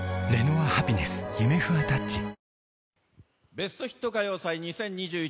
ベストヒット歌謡祭２０２１